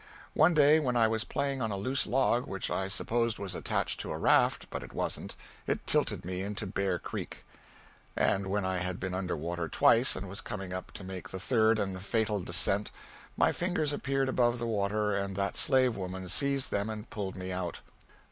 One day when I was playing on a loose log which I supposed was attached to a raft but it wasn't it tilted me into Bear Creek. And when I had been under water twice and was coming up to make the third and fatal descent my fingers appeared above the water and that slave woman seized them and pulled me out.